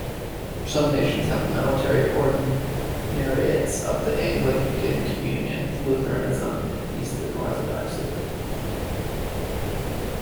Some nations have military ordinariates of the Anglican Communion, Lutheranism, and Eastern Orthodoxy.